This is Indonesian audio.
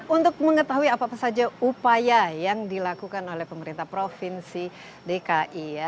untuk mengetahui apa saja upaya yang dilakukan oleh pemerintah provinsi dki ya